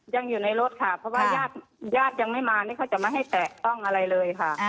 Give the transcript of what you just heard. ยังอยู่ในรถค่ะเพราะว่าญาติยังไม่มานี่เขาจะไม่ให้แตะต้องอะไรเลยค่ะ